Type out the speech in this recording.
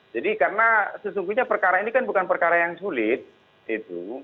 jadi karena sesungguhnya perkara ini kan bukan perkara yang sulit itu